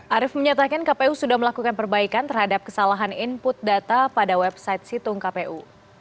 arief menyatakan kpu sudah melakukan perbaikan terhadap kesalahan input data pada website situng kpu